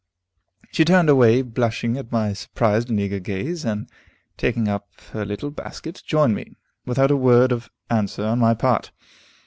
She turned away blushing at my surprised and eager gaze, and, taking up her little basket, joined me, without a word of answer on my part.